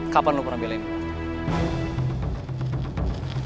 kapan lo pernah belain gue